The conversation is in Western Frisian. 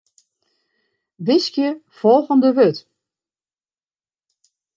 Wiskje folgjende wurd.